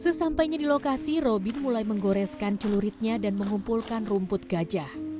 sesampainya di lokasi robin mulai menggoreskan celuritnya dan mengumpulkan rumput gajah